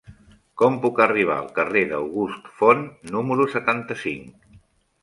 Com puc arribar al carrer d'August Font número setanta-cinc?